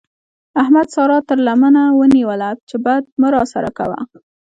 احمد سارا تر لمنه ونيوله چې بد مه راسره کوه.